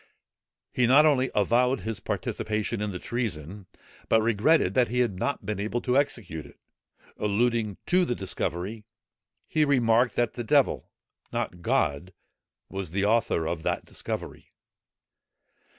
He not only avowed his participation in the treason, but regretted that he had not been able to execute it. Alluding to the discovery, he remarked, that the devil, not God, was the author of that discovery.